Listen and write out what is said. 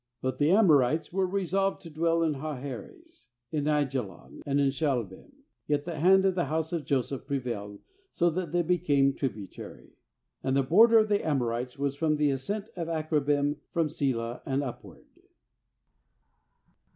85But the Amor ites were resolved to dwell in Har heres, in Aijalon, and in Shaalbim; yet the hand of the house of Joseph prevailed, so that they became trib utary. 36And the border of the Amor ites was from the ascent of Akrab bim, from Sela, and upward.